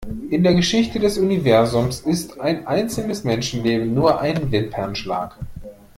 In der Geschichte des Universums ist ein einzelnes Menschenleben nur ein Wimpernschlag.